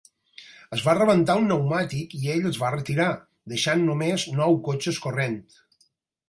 Es va rebentar un neumàtic i ell es va retirar, deixant només nou cotxes corrent.